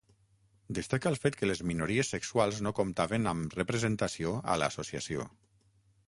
Destaca el fet que les minories sexuals no comptaven amb representació a l'associació.